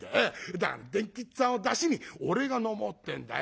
だから伝吉っつぁんをだしに俺が飲もうってんだよ。